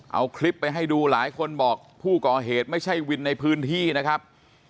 เอาคลิปไปให้ดูหลายคนบอกผู้ก่อเหตุไม่ใช่วินในพื้นที่นะครับ